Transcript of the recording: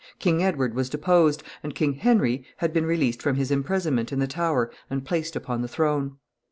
King Edward was deposed, and King Henry had been released from his imprisonment in the Tower and placed upon the throne.